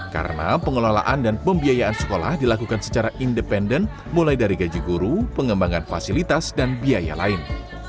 karena pengelolaan dan pembiayaan sekolah dilakukan secara independen mulai dari gaji guru pengembangan fasilitas dan biaya lain